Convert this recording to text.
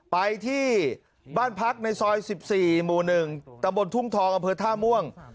ไปที่บ้านพักในซอยสิบสี่หมู่หนึ่งตะบลทุ่งทองอำเภอท่าม่วง